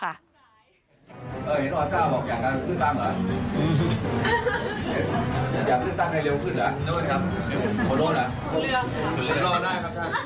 หรออยากที่ตั้งให้เร็วขึ้นหรอโทษครับโทษโทษครับ